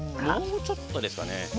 もうちょっとですかね。